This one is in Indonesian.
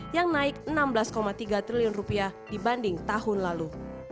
yang naik rp enam belas tiga triliun dibanding tahun lalu